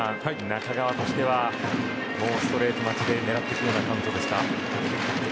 中川としてはもうストレート待ちで狙ってくるようなそうですね。